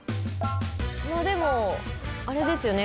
まぁでもあれですよね